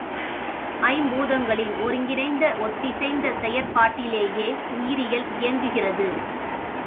ஐம்பூதங்களின் ஒருங்கிணைந்த ஒத்திசைந்த செயற்பாட்டிலேயே உயிரியல் இயங்குகிறது.